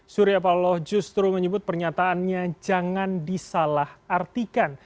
surya paloh justru menyebut pernyataannya jangan disalah artikan